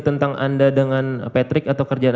tentang anda dengan patrick atau kerja